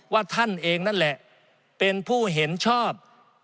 ท่านเองนั่นแหละเป็นผู้เห็นชอบ